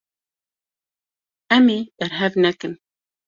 Em ê berhev nekin.